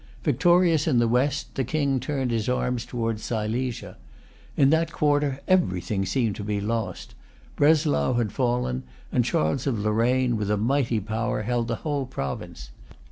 Victorious in the West, the King turned his arms towards Silesia. In that quarter everything seemed to be lost.[Pg 314] Breslau had fallen; and Charles of Lorraine, with a mighty power, held the whole province.